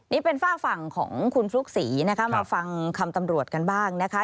นี่เป็นฝากฝั่งของคุณฟลุ๊กศรีนะคะมาฟังคำตำรวจกันบ้างนะคะ